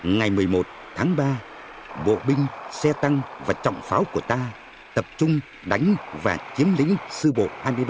ngày một mươi một tháng ba bộ binh xe tăng và trọng pháo của ta tập trung đánh và chiếm lính sư bộ hai mươi ba